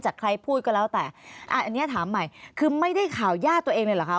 ใครพูดก็แล้วแต่อันนี้ถามใหม่คือไม่ได้ข่าวญาติตัวเองเลยเหรอคะ